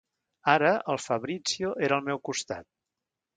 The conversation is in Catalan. Ara, el Fabrizio era al meu costat.